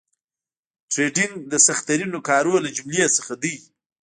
ټریډینګ د سخترینو کارو له جملې څخه دي